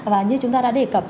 và như chúng ta đã đề cập